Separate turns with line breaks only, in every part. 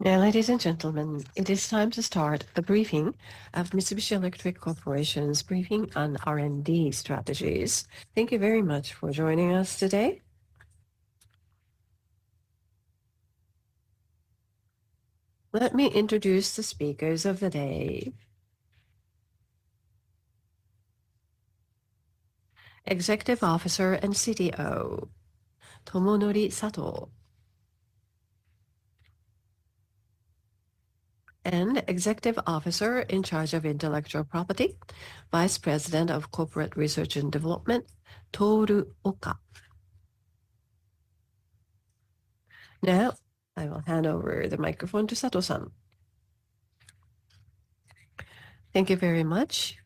Ladies and gentlemen, it is time to start the briefing of Mitsubishi Electric Corporation's Briefing on R&D Strategies. Thank you very much for joining us today. Let me introduce the speakers of the day: Executive Officer and CTO, Tomonori Sato, and Executive Officer in charge of Intellectual Property, Vice President of Corporate Research and Development, Toru Oka. Now, I will hand over the microphone to Sato. Thank you very much.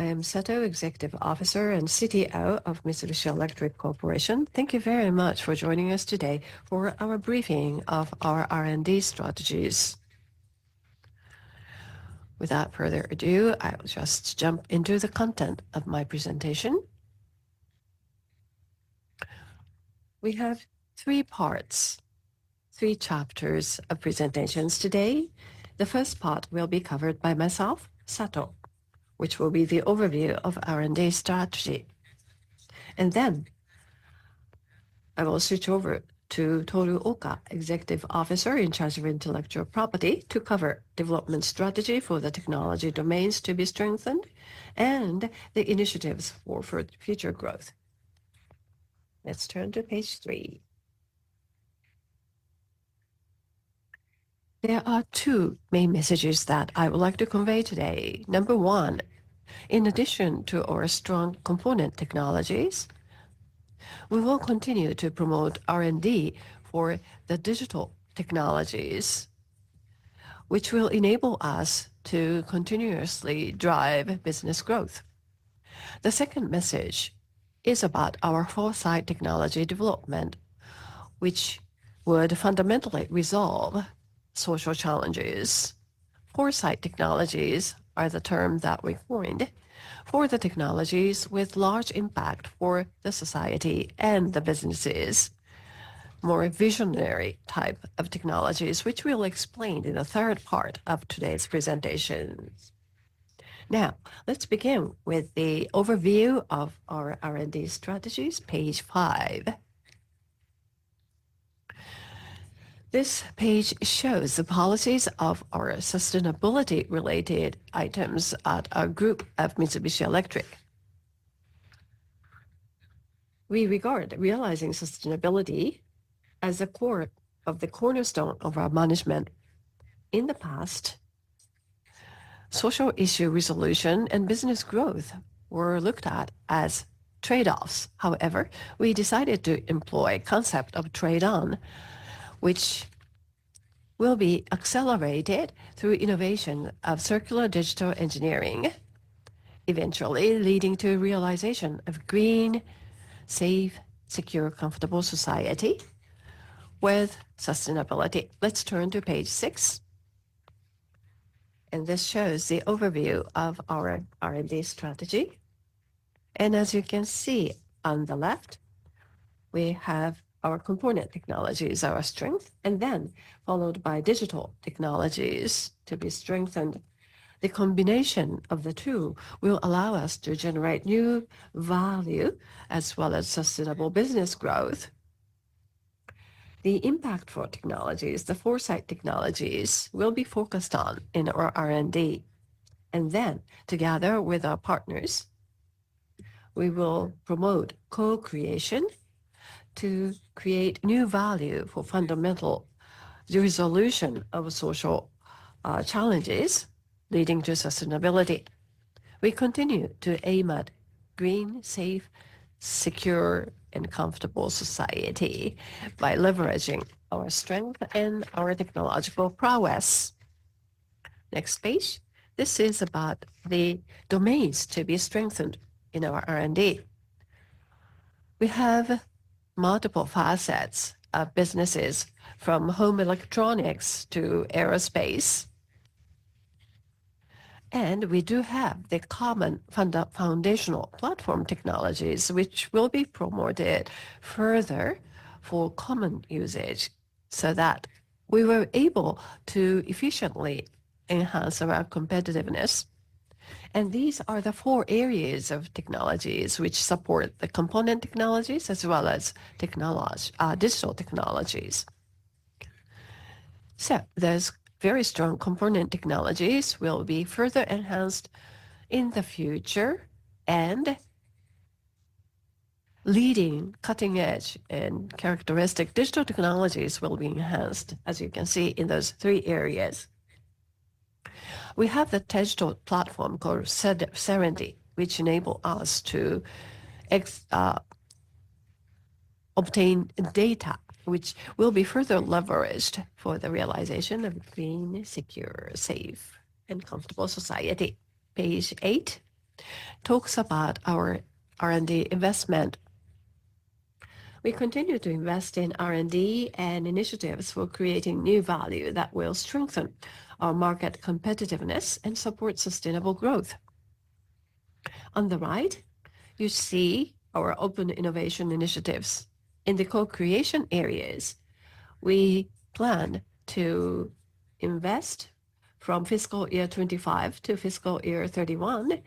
I am Sato, Executive Officer and CTO of Mitsubishi Electric Corporation. Thank you very much for joining us today for our briefing of our R&D strategies. Without further ado, I will just jump into the content of my presentation. We have three parts, three chapters of presentations today. The first part will be covered by myself, Sato,
There are two main messages that I would like to convey today. Number one, in addition to our strong component technologies, we will continue to promote R&D for the digital technologies, which will enable us to continuously drive business growth. The second message is about our Foresight Technologies development, which would fundamentally resolve social challenges. Foresight Technologies are the term that we coined for the technologies with large impact for the society and the businesses, more visionary types of technologies, which we'll explain in the third part of today's presentation. Now, let's begin with the overview of our R&D strategies, page five. This page shows the policies of our sustainability-related items at our group of Mitsubishi Electric. We regard realizing sustainability as the cornerstone of our management. In the past, social issue resolution and business growth were looked at as trade-offs. However, we decided to employ the concept of Trade-on, which will be accelerated through innovation of Circular Digital Engineering, eventually leading to the realization of a green, safe, secure, comfortable society with sustainability. Let's turn to page six. And this shows the overview of our R&D strategy. And as you can see on the left, we have our component technologies, our strength, and then followed by digital technologies to be strengthened. The combination of the two will allow us to generate new value as well as sustainable business growth. The impact for technologies, the Foresight Technologies, will be focused on in our R&D. Then, together with our partners, we will promote co-creation to create new value for fundamental resolution of social challenges leading to sustainability. We continue to aim at a green, safe, secure, and comfortable society by leveraging our strength and our technological prowess. Next page. This is about the domains to be strengthened in our R&D. We have multiple facets of businesses, from home electronics to aerospace. We do have the common foundational platform technologies, which will be promoted further for common usage so that we were able to efficiently enhance our competitiveness. These are the four areas of technologies which support the component technologies as well as digital technologies. Those very strong component technologies will be further enhanced in the future, and leading cutting-edge and characteristic digital technologies will be enhanced, as you can see, in those three areas. We have the digital platform called Serendie, which enables us to obtain data, which will be further leveraged for the realization of a clean, secure, safe, and comfortable society. Page eight talks about our R&D investment. We continue to invest in R&D and initiatives for creating new value that will strengthen our market competitiveness and support sustainable growth. On the right, you see our open innovation initiatives. In the co-creation areas, we plan to invest from fiscal year 2025 to fiscal year 2031,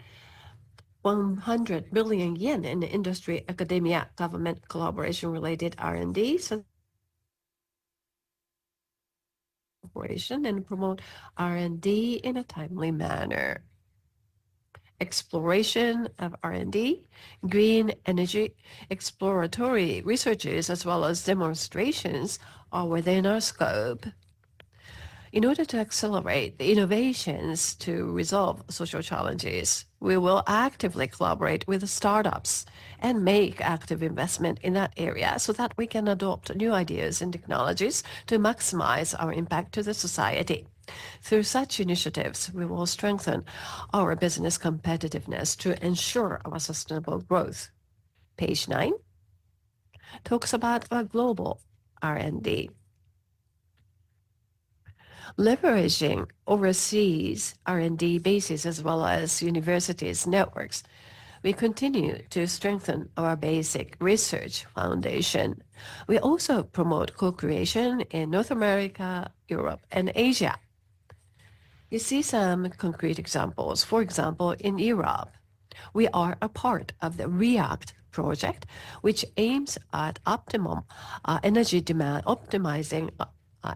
100 million yen in industry academia government collaboration-related R&D operation and promote R&D in a timely manner. Exploration of R&D, green energy exploratory researches, as well as demonstrations, are within our scope. In order to accelerate the innovations to resolve social challenges, we will actively collaborate with startups and make active investment in that area so that we can adopt new ideas and technologies to maximize our impact to the society. Through such initiatives, we will strengthen our business competitiveness to ensure our sustainable growth. Page nine talks about our global R&D. Leveraging overseas R&D bases as well as universities' networks, we continue to strengthen our basic research foundation. We also promote co-creation in North America, Europe, and Asia. You see some concrete examples. For example, in Europe, we are a part of the REACT project, which aims at optimizing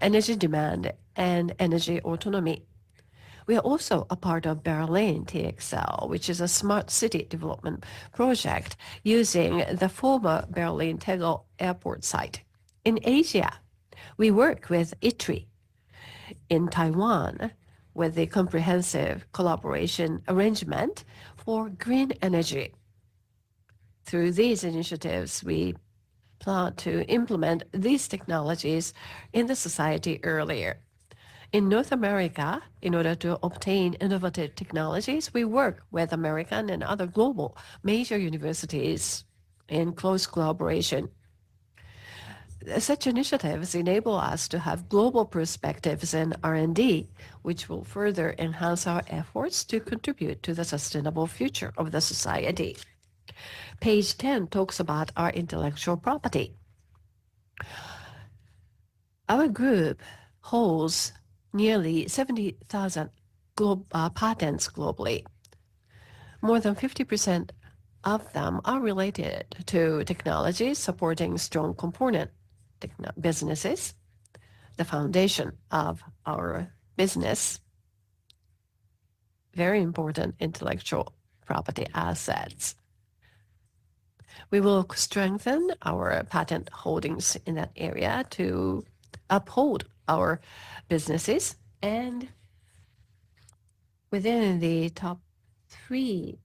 energy demand and energy autonomy. We are also a part of Berlin TXL, which is a smart city development project using the former Berlin Tegel Airport site. In Asia, we work with ITRI in Taiwan with the comprehensive collaboration arrangement for green energy. Through these initiatives, we plan to implement these technologies in the society earlier. In North America, in order to obtain innovative technologies, we work with American and other global major universities in close collaboration. Such initiatives enable us to have global perspectives in R&D, which will further enhance our efforts to contribute to the sustainable future of the society. Page 10 talks about our intellectual property. Our group holds nearly 70,000 patents globally. More than 50% of them are related to technologies supporting strong component businesses, the foundation of our business, very important intellectual property assets. We will strengthen our patent holdings in that area to uphold our businesses. And within the top three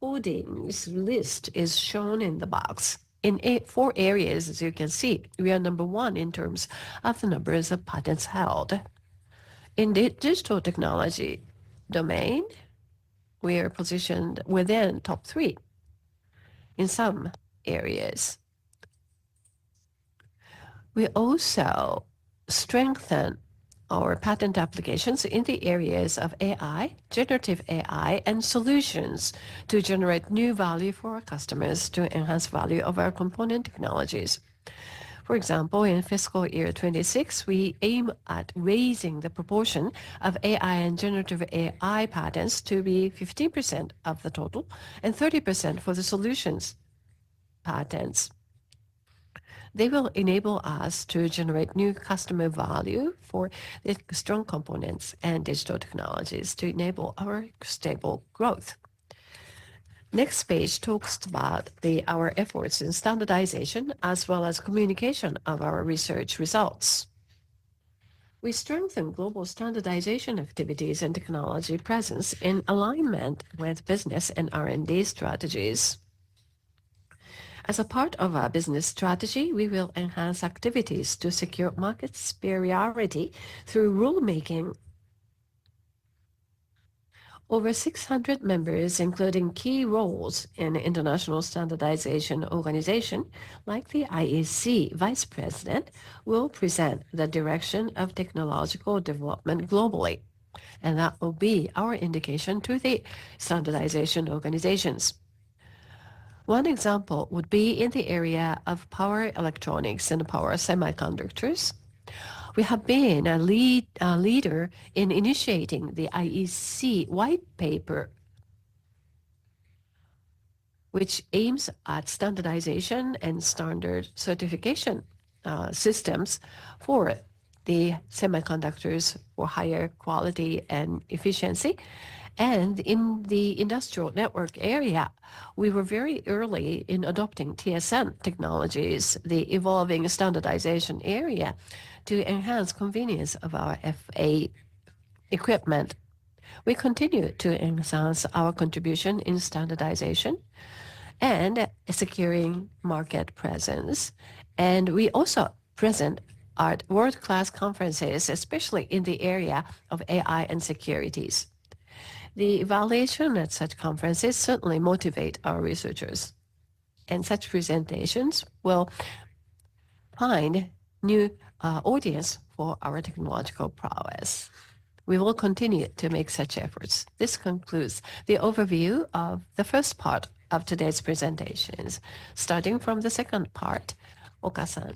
holdings list is shown in the box. In four areas, as you can see, we are number one in terms of the numbers of patents held. In the digital technology domain, we are positioned within top three in some areas. We also strengthen our patent applications in the areas of AI, generative AI, and solutions to generate new value for our customers to enhance the value of our component technologies. For example, in fiscal year 2026, we aim at raising the proportion of AI and generative AI patents to be 15% of the total and 30% for the solutions patents. They will enable us to generate new customer value for the strong components and digital technologies to enable our stable growth. Next page talks about our efforts in standardization as well as communication of our research results. We strengthen global standardization activities and technology presence in alignment with business and R&D strategies. As a part of our business strategy, we will enhance activities to secure market superiority through rulemaking. Over 600 members, including key roles in the international standardization organization like the IEC Vice President, will present the direction of technological development globally, and that will be our indication to the standardization organizations. One example would be in the area of power electronics and power semiconductors. We have been a leader in initiating the IEC white paper, which aims at standardization and standard certification systems for the semiconductors for higher quality and efficiency. And in the industrial network area, we were very early in adopting TSN technologies, the evolving standardization area to enhance the convenience of our FA equipment. We continue to enhance our contribution in standardization and securing market presence, and we also present at world-class conferences, especially in the area of AI and security. The evaluation at such conferences certainly motivates our researchers, and such presentations will find new audiences for our technological prowess. We will continue to make such efforts. This concludes the overview of the first part of today's presentations. Starting from the second part, Oka-san,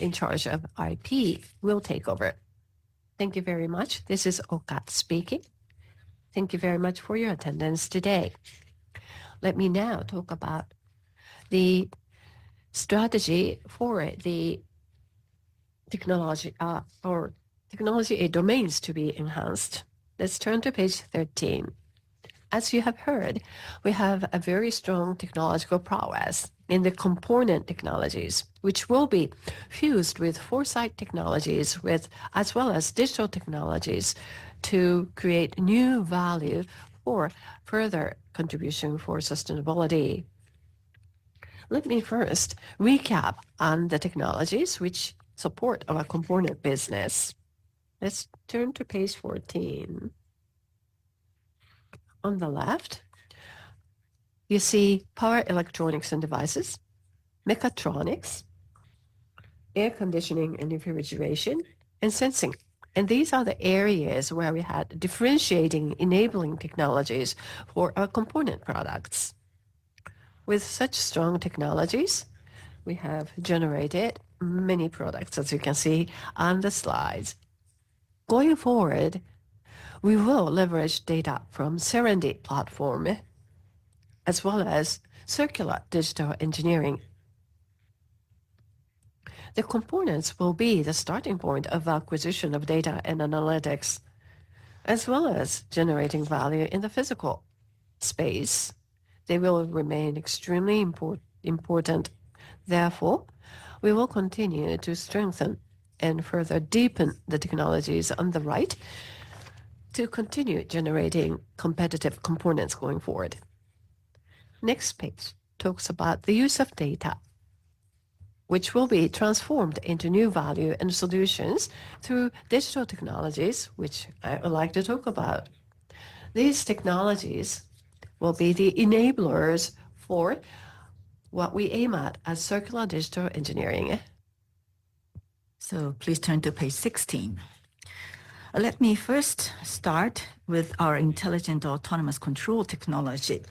in charge of IP, will take over.
Thank you very much. This is Oka speaking. Thank you very much for your attendance today. Let me now talk about the strategy for the technology or technology domains to be enhanced. Let's turn to page 13. As you have heard, we have a very strong technological prowess in the component technologies, which will be fused with Foresight Technologies, as well as digital technologies to create new value for further contribution for sustainability. Let me first recap on the technologies which support our component business. Let's turn to page 14. On the left, you see power electronics and devices, mechatronics, air conditioning and refrigeration, and sensing. These are the areas where we had differentiating enabling technologies for our component products. With such strong technologies, we have generated many products, as you can see on the slides. Going forward, we will leverage data from Serendie platform as well as Circular Digital Engineering. The components will be the starting point of acquisition of data and analytics, as well as generating value in the physical space. They will remain extremely important. Therefore, we will continue to strengthen and further deepen the technologies on the right to continue generating competitive components going forward. Next page talks about the use of data, which will be transformed into new value and solutions through digital technologies, which I would like to talk about. These technologies will be the enablers for what we aim at as Circular Digital Engineering. So please turn to page 16. Let me first start with our intelligent autonomous control technology.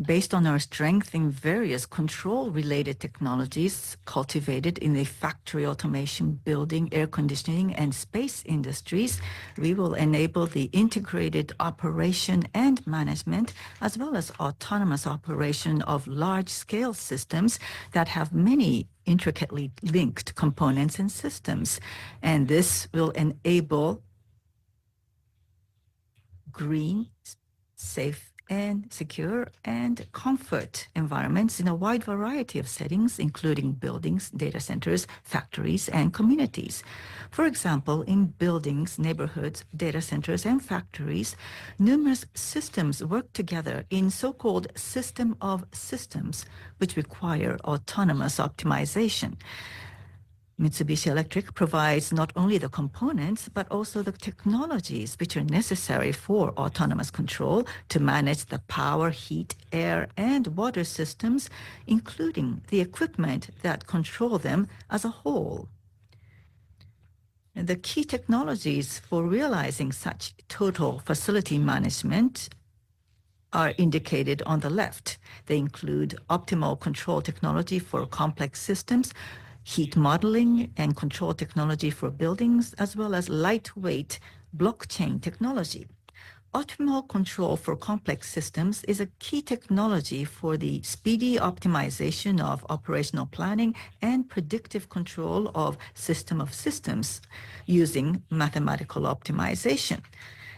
Based on our strength in various control-related technologies cultivated in the factory automation, building, air conditioning, and space industries, we will enable the integrated operation and management, as well as autonomous operation of large-scale systems that have many intricately linked components and systems. And this will enable green, safe, secure, and comfort environments in a wide variety of settings, including buildings, data centers, factories, and communities. For example, in buildings, neighborhoods, data centers, and factories, numerous systems work together in so-called System of Systems, which require autonomous optimization. Mitsubishi Electric provides not only the components, but also the technologies which are necessary for autonomous control to manage the power, heat, air, and water systems, including the equipment that control them as a whole. The key technologies for realizing such total facility management are indicated on the left. They include optimal control technology for complex systems, heat modeling, and control technology for buildings, as well as lightweight blockchain technology. Optimal control for complex systems is a key technology for the speedy optimization of operational planning and predictive control of system of systems using mathematical optimization.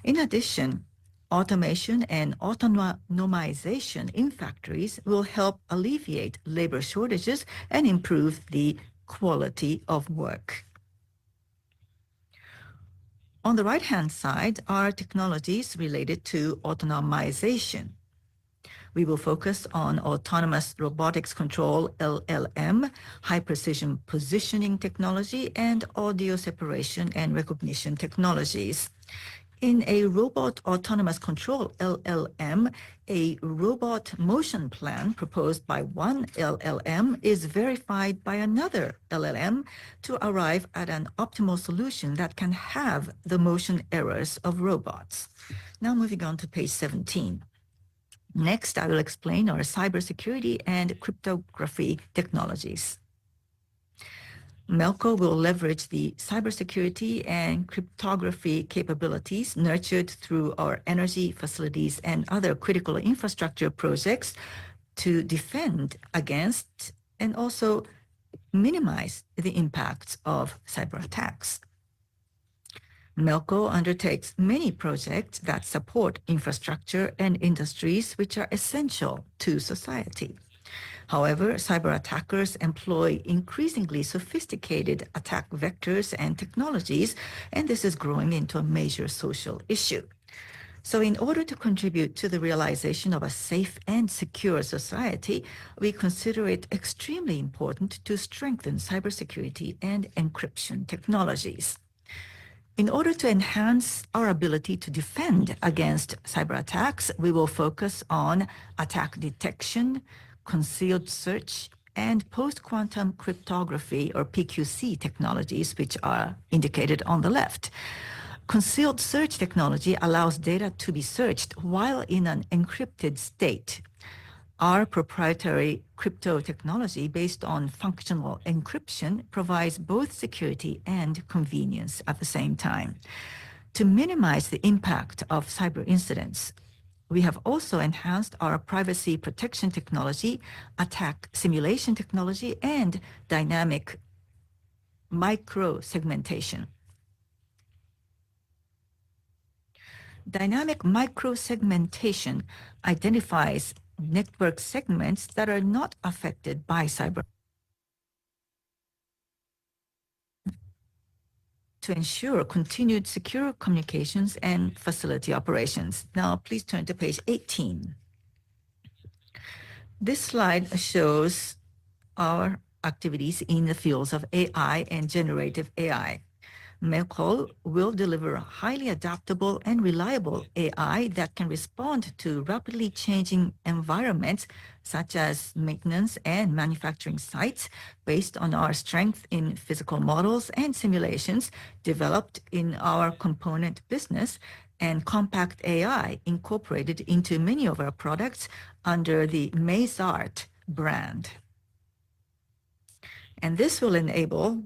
In addition, automation and autonomization in factories will help alleviate labor shortages and improve the quality of work. On the right-hand side are technologies related to autonomization. We will focus on autonomous robotics control, LLM, high-precision positioning technology, and audio separation and recognition technologies. In robot autonomous control, LLM, a robot motion plan proposed by one LLM is verified by another LLM to arrive at an optimal solution that can have the motion errors of robots. Now moving on to page 17. Next, I will explain our cybersecurity and cryptography technologies. Melco will leverage the cybersecurity and cryptography capabilities nurtured through our energy facilities and other critical infrastructure projects to defend against and also minimize the impacts of cyberattacks. Melco undertakes many projects that support infrastructure and industries which are essential to society. However, cyber attackers employ increasingly sophisticated attack vectors and technologies, and this is growing into a major social issue, so in order to contribute to the realization of a safe and secure society, we consider it extremely important to strengthen cybersecurity and encryption technologies. In order to enhance our ability to defend against cyberattacks, we will focus on attack detection, concealed search, and post-quantum cryptography or PQC technologies, which are indicated on the left. Concealed search technology allows data to be searched while in an encrypted state. Our proprietary crypto technology based on functional encryption provides both security and convenience at the same time. To minimize the impact of cyber incidents, we have also enhanced our privacy protection technology, attack simulation technology, and dynamic microsegmentation. Dynamic microsegmentation identifies network segments that are not affected by cyber to ensure continued secure communications and facility operations. Now, please turn to page 18. This slide shows our activities in the fields of AI and generative AI. Melco will deliver highly adaptable and reliable AI that can respond to rapidly changing environments such as maintenance and manufacturing sites based on our strength in physical models and simulations developed in our component business and compact AI incorporated into many of our products under the MAISART brand. This will enable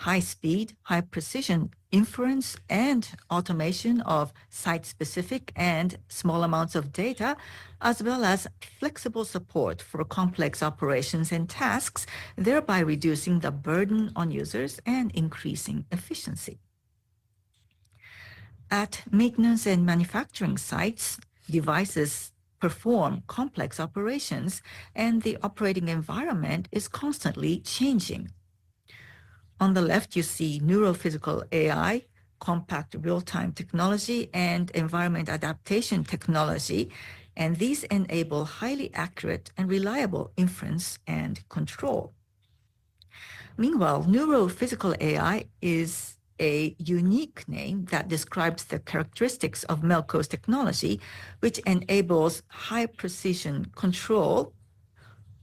high-speed, high-precision inference and automation of site-specific and small amounts of data, as well as flexible support for complex operations and tasks, thereby reducing the burden on users and increasing efficiency. At maintenance and manufacturing sites, devices perform complex operations, and the operating environment is constantly changing. On the left, you see Neurophysical AI, compact real-time technology, and environment adaptation technology, and these enable highly accurate and reliable inference and control. Meanwhile, neurophysical AI is a unique name that describes the characteristics of Melco's technology, which enables high-precision control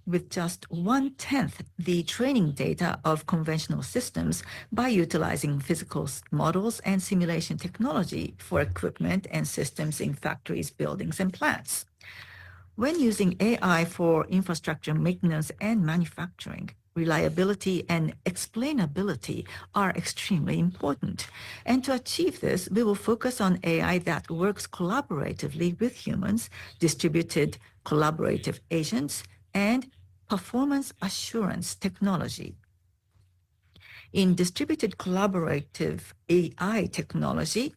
with just one-tenth the training data of conventional systems by utilizing physical models and simulation technology for equipment and systems in factories, buildings, and plants. When using AI for infrastructure maintenance and manufacturing, reliability and explainability are extremely important. And to achieve this, we will focus on AI that works collaboratively with humans, distributed collaborative agents, and performance assurance technology. In distributed collaborative AI technology,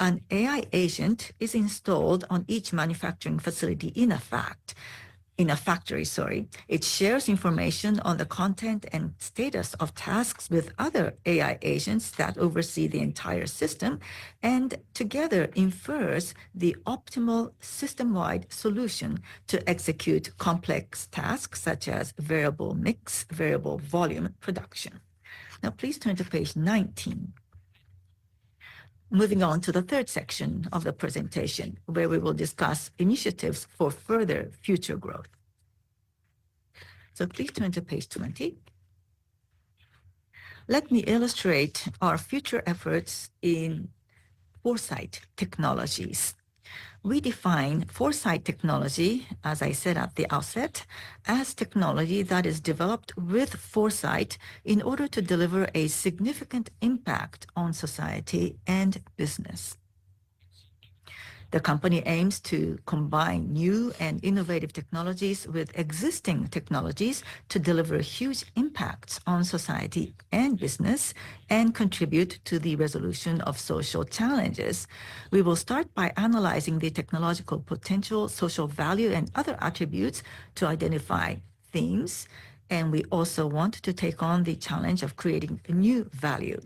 an AI agent is installed on each manufacturing facility in a factory. It shares information on the content and status of tasks with other AI agents that oversee the entire system and together infers the optimal system-wide solution to execute complex tasks such as variable mix, variable volume production. Now, please turn to page 19. Moving on to the third section of the presentation, where we will discuss initiatives for further future growth. So please turn to page 20. Let me illustrate our future efforts in foresight technologies. We define foresight technology, as I said at the outset, as technology that is developed with foresight in order to deliver a significant impact on society and business. The company aims to combine new and innovative technologies with existing technologies to deliver huge impacts on society and business and contribute to the resolution of social challenges. We will start by analyzing the technological potential, social value, and other attributes to identify themes. And we also want to take on the challenge of creating new value.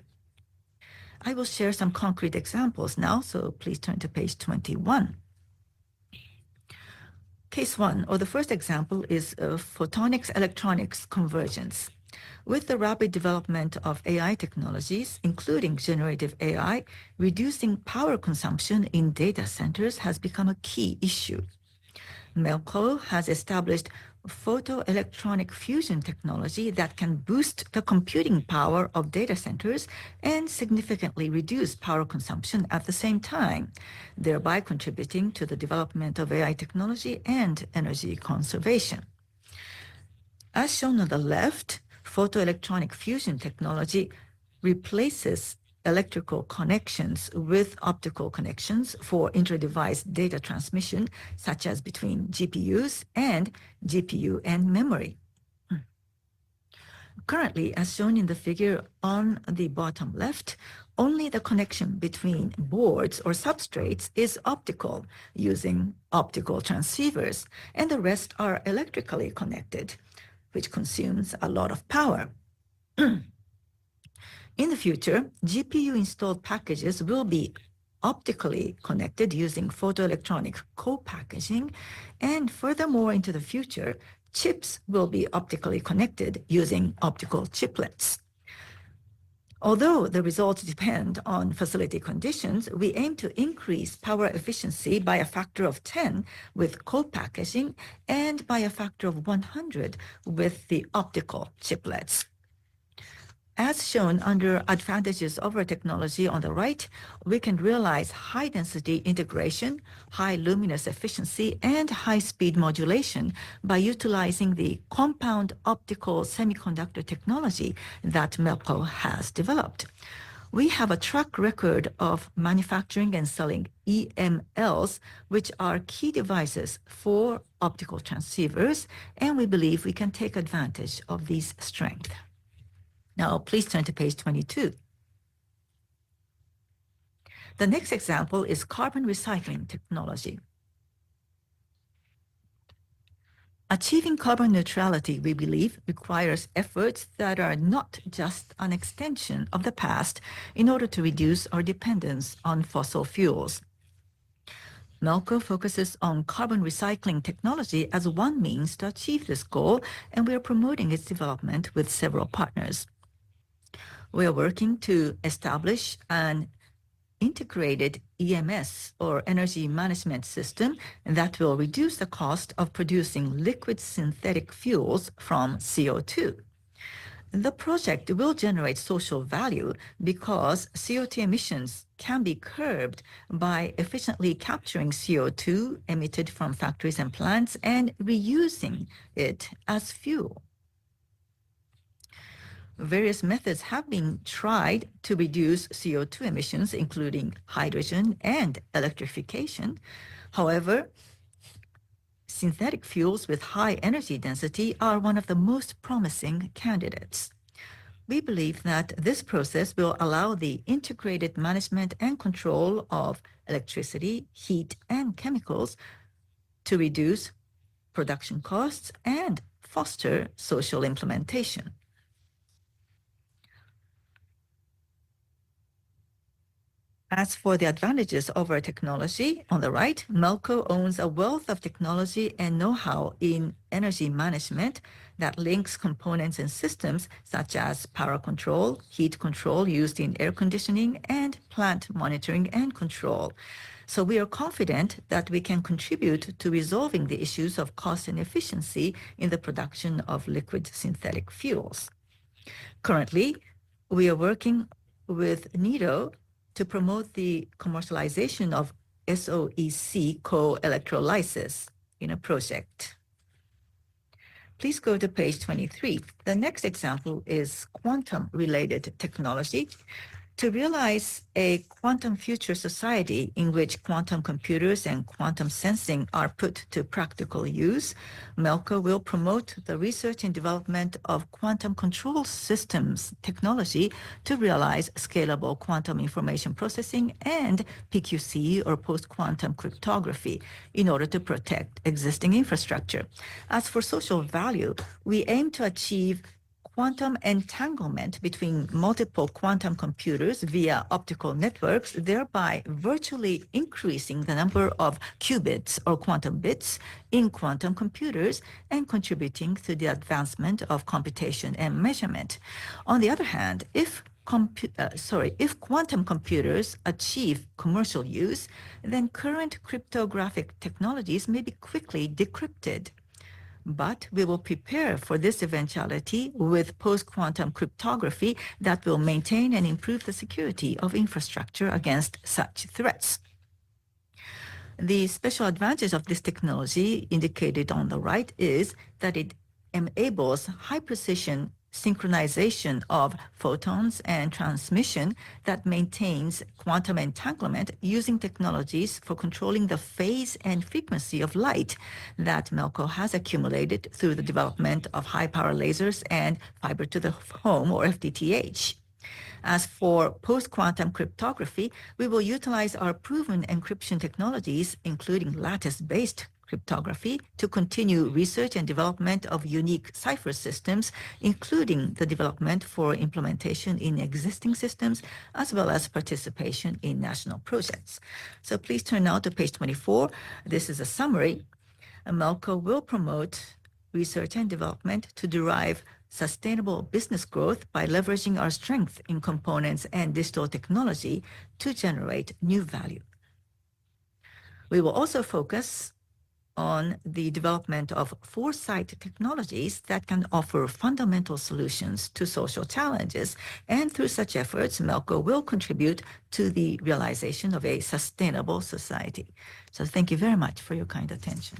I will share some concrete examples now, so please turn to page 21. Case one, or the first example, is photonics-electronics convergence. With the rapid development of AI technologies, including generative AI, reducing power consumption in data centers has become a key issue. Melco has established photoelectronic fusion technology that can boost the computing power of data centers and significantly reduce power consumption at the same time, thereby contributing to the development of AI technology and energy conservation. As shown on the left, photoelectronic fusion technology replaces electrical connections with optical connections for inter-device data transmission, such as between GPUs and GPU and memory. Currently, as shown in the figure on the bottom left, only the connection between boards or substrates is optical using optical transceivers, and the rest are electrically connected, which consumes a lot of power. In the future, GPU-installed packages will be optically connected using photoelectronic co-packaging, and furthermore, into the future, chips will be optically connected using optical chiplets. Although the results depend on facility conditions, we aim to increase power efficiency by a factor of 10 with co-packaging and by a factor of 100 with the optical chiplets. As shown under advantages of our technology on the right, we can realize high-density integration, high luminous efficiency, and high-speed modulation by utilizing the compound optical semiconductor technology that Melco has developed. We have a track record of manufacturing and selling EMLs, which are key devices for optical transceivers, and we believe we can take advantage of these strengths. Now, please turn to page 22. The next example is carbon recycling technology. Achieving carbon neutrality, we believe, requires efforts that are not just an extension of the past in order to reduce our dependence on fossil fuels. Melco focuses on carbon recycling technology as one means to achieve this goal, and we are promoting its development with several partners. We are working to establish an integrated EMS or energy management system that will reduce the cost of producing liquid synthetic fuels from CO2. The project will generate social value because CO2 emissions can be curbed by efficiently capturing CO2 emitted from factories and plants and reusing it as fuel. Various methods have been tried to reduce CO2 emissions, including hydrogen and electrification. However, synthetic fuels with high energy density are one of the most promising candidates. We believe that this process will allow the integrated management and control of electricity, heat, and chemicals to reduce production costs and foster social implementation. As for the advantages of our technology, on the right, Melco owns a wealth of technology and know-how in energy management that links components and systems such as power control, heat control used in air conditioning, and plant monitoring and control. We are confident that we can contribute to resolving the issues of cost and efficiency in the production of liquid synthetic fuels. Currently, we are working with NEDO to promote the commercialization of SOEC co-electrolysis in a project. Please go to page 23. The next example is quantum-related technology. To realize a quantum future society in which quantum computers and quantum sensing are put to practical use, Melco will promote the research and development of quantum control systems technology to realize scalable quantum information processing and PQC or post-quantum cryptography in order to protect existing infrastructure. As for social value, we aim to achieve quantum entanglement between multiple quantum computers via optical networks, thereby virtually increasing the number of qubits or quantum bits in quantum computers and contributing to the advancement of computation and measurement. On the other hand, if quantum computers achieve commercial use, then current cryptographic technologies may be quickly decrypted. But we will prepare for this eventuality with post-quantum cryptography that will maintain and improve the security of infrastructure against such threats. The special advantage of this technology indicated on the right is that it enables high-precision synchronization of photons and transmission that maintains quantum entanglement using technologies for controlling the phase and frequency of light that Melco has accumulated through the development of high-power lasers and fiber-to-the-home or FTTH. As for post-quantum cryptography, we will utilize our proven encryption technologies, including lattice-based cryptography, to continue research and development of unique cipher systems, including the development for implementation in existing systems, as well as participation in national projects. So please turn now to page 24. This is a summary. Melco will promote research and development to derive sustainable business growth by leveraging our strength in components and digital technology to generate new value. We will also focus on the development of foresight technologies that can offer fundamental solutions to social challenges, and through such efforts, Melco will contribute to the realization of a sustainable society, so thank you very much for your kind attention.